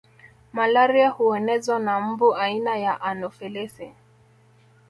Malaria huenezwa na mbu aina ya Anofelesi